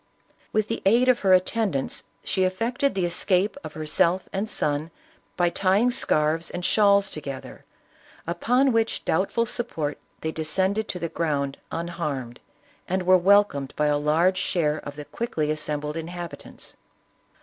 With the aid of her atten dants she effected the escape of herself and son by tying scarfs and shawls together, upon which doubt ful support they descended to the ground unharmed, and were welcomed by a large share of the quickly assembled inhabitants.